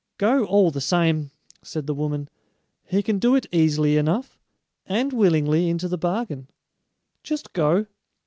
"Go, all the same," said the woman. "He can do it easily enough, and willingly into the bargain. Just go!"